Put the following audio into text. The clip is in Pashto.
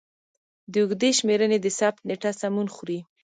د اوږدې شمېرنې د ثبت نېټه سمون خوري.